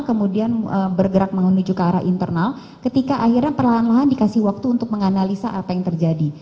kemudian bergerak menuju ke arah internal ketika akhirnya perlahan lahan dikasih waktu untuk menganalisa apa yang terjadi